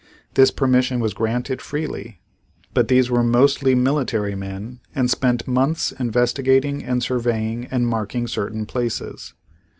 This permission was granted freely. But these were mostly military men and spent months investigating and surveying and marking certain places.